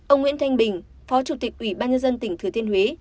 ông nguyễn thanh bình phó chủ tịch ủy ban nhân dân tỉnh thừa thiên huế